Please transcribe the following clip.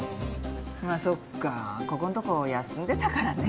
まあそっかここんとこ休んでたからね。